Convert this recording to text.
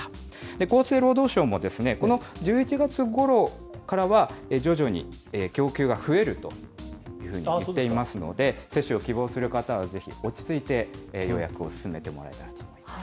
厚生労働省も、この１１月ごろからは徐々に供給が増えるというふうに言っていますので、接種を希望する方は、ぜひ落ち着いて予約を進めてもらえばと思います。